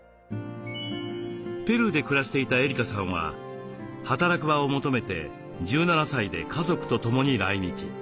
ペルーで暮らしていたエリカさんは働く場を求めて１７歳で家族と共に来日。